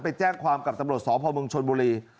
ไปแจ้งความกับตำรวจสพเมืองชนบุรี